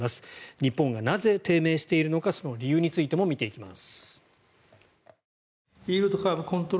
日本がなぜ低迷しているのかその理由についても見ていきます。